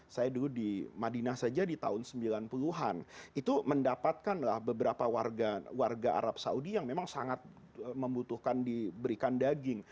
saya dulu di madinah saja di tahun sembilan puluh an itu mendapatkan beberapa warga arab saudi yang memang sangat membutuhkan diberikan daging